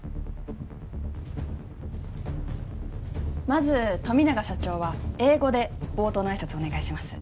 まず富永社長は英語で冒頭の挨拶をお願いします